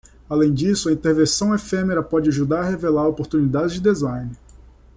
Além disso, a intervenção efêmera pode ajudar a revelar oportunidades de design.